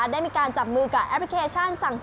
ได้มีการจับมือกับแอปพลิเคชัน